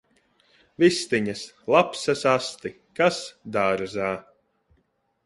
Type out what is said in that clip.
Vistiņas! Lapsas asti! Kas dārzā!